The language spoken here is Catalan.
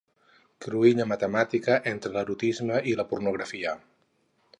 Cruïlla matemàtica entre l'erotisme i la pornografia.